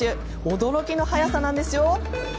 驚きの速さなんですよ。